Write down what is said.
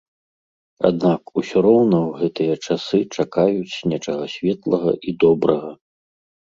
Аднак усё роўна ў гэтыя часы чакаюць нечага светлага і добрага.